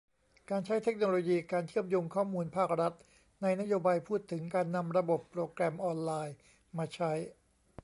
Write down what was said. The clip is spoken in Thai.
การใช้เทคโนโลยี การเชื่อมโยงข้อมูลภาครัฐ ในนโยบายพูดถึง การนำระบบโปรแกรมออนไลน์มาใช้